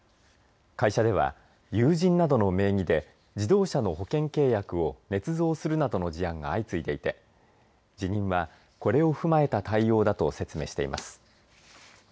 会社では友人などの名義で自動車の保険契約をねつ造するなどの事案が相次いでいて辞任は、これを踏まえた対応だと説明しています。